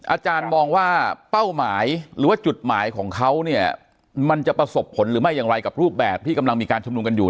อาจารย์มองว่าเป้าหมายหรือว่าจุดหมายของเขาเนี่ยมันจะประสบผลหรือไม่อย่างไรกับรูปแบบที่กำลังมีการชุมนุมกันอยู่